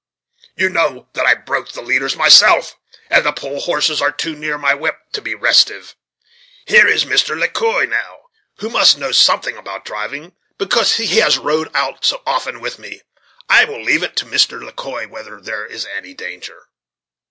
You know that I broke the leaders myself, and the pole horses are too near my whip to be restive. Here is Mr. Le Quoi, now, who must know something about driving, because he has rode out so often with me; I will leave it to Mr. Le Quoi whether there is any danger."